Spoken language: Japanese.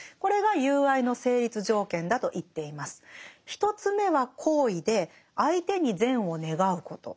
１つ目は好意で相手に善を願うこと。